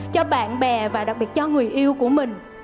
cho bạn bè và đặc biệt cho người yêu của mình